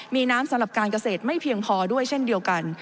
มีน้ำสำหรับการเกษตรไม่เพียงพอด้วยเช่นเดียวกัน